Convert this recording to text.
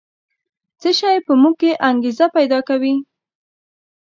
څه شی په موږ کې انګېزه پیدا کوي؟